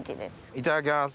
いただきます。